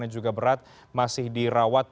dan juga berat masih dirawat